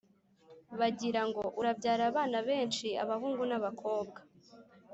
bagira ngo “Urabyare abana benshi, abahungu nabakobwa